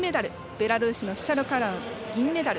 ベラルーシのシチャルカナウが銀メダル。